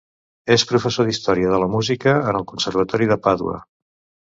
És professor d'història de la música en el Conservatori de Pàdua.